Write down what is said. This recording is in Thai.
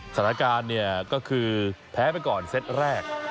สถานการณ์เนี่ยก็คือแพ้ไปก่อนเซตแรก